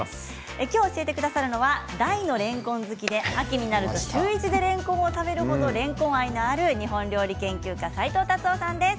今日教えてくださるのは大のれんこん好きで秋になると週１でれんこんを食べる程れんこん愛のある日本料理研究家斉藤辰夫さんです。